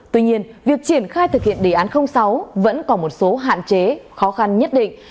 tuy nhiên việc triển khai thực hiện đề án sáu vẫn còn một số hạn chế khó khăn nhất định